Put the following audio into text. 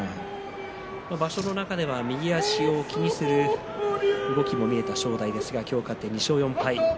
場所中では右足を気にする動きも見えた正代ですが今日、勝って２勝４敗。